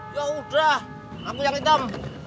yaudah aku yang hitam